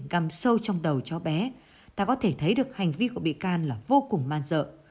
găm sâu trong đầu chó bé ta có thể thấy được hành vi của bị can là vô cùng man dợ